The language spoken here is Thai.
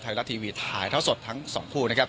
ไทยรัฐทีวีถ่ายเท่าสดทั้งสองคู่นะครับ